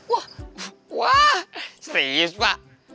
wah wah serius pak